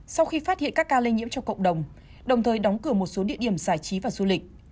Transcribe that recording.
sau khi phát hiện các ca lây nhiễm trong cộng đồng đồng thời đóng cửa một số địa điểm giải trí và du lịch